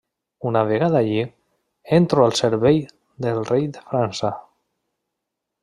Una vegada allí, entro al servei del rei de França.